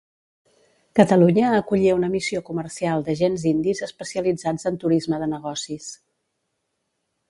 Catalunya acollia una missió comercial d'agents indis especialitzats en turisme de negocis.